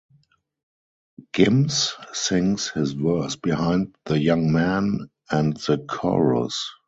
Gims sings his verse behind the young man and the chorus.